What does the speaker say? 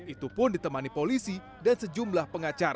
itu pun ditemani polisi dan sejumlah pengacara